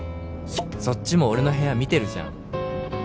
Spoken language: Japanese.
「そっちも俺の部屋見てるじゃん」